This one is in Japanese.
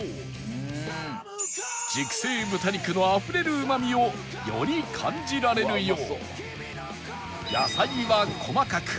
熟成豚肉のあふれるうまみをより感じられるよう